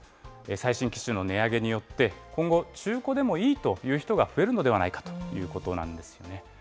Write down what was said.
最新機種の値上げによって、今後、中古でもいいという人が増えるのではないかということなんですね。